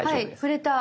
触れた。